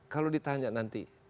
kalau ditanya nanti